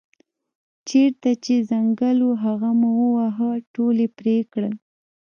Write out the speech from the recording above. چېرته چې ځنګل و هغه مو وواهه ټول یې پرې کړل.